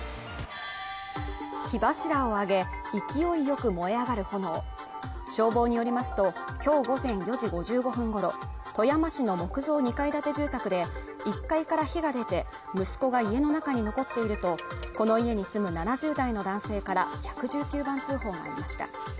火柱を上げ勢いよく燃え上がる炎消防によりますときょう午前４時５５分ごろ富山市の木造２階建て住宅で１階から火が出て息子が家の中に残っているとこの家に住む７０代の男性から１１９番通報がありました